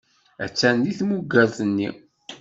Attan deg tmugert-nni.